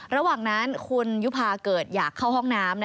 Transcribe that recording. ระหว่างนั้นคุณยุภาเกิดอยากเข้าห้องน้ำ